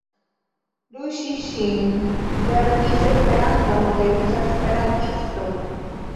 Lu Ŝi-Ŝin lernis Esperanton de rusa esperantisto.